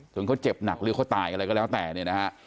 เขาเจ็บหนักหรือเขาตายอะไรก็แล้วแต่เนี่ยนะฮะ